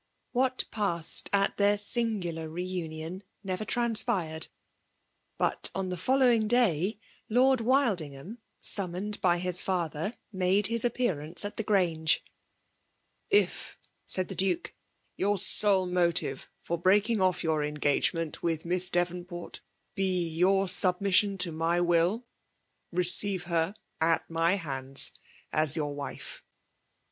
' WhdA* passed at flteir sitigiilar tenmon ^wer trahspii^ed: but on the folowing dajr> Xiord Wildingliaiiii summoned by hur father, made his oppearande at the Grange. ''If/' sfdd the Duke, " your sole motive tot 'bx;eak ing off your engagement with Miss Devonport be your submission to my will, teeeive her ftt my hands as your wife.